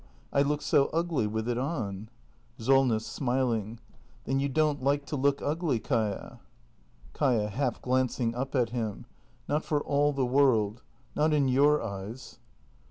] I look so ugly with it on. Solness. [Smiling.] Then you don't like to look ugly, Kaia? Kaia. [Half glancing up at him.] Not for all the world. Not in your eyes.